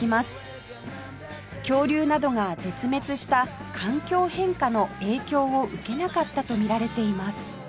恐竜などが絶滅した環境変化の影響を受けなかったとみられています